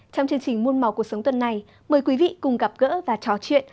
trong chương trình môn màu cuộc sống tuần này mời quý vị cùng gặp gỡ và trò chuyện